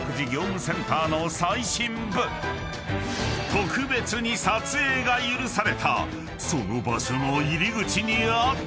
［特別に撮影が許されたその場所の入り口にあったのは］